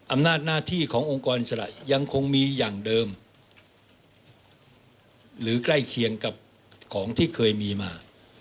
อำนาจหน้าที่ขององค์กรอิสระยังคงมีอย่างเดิมหรือใกล้เคียงกับของที่เคยมีมา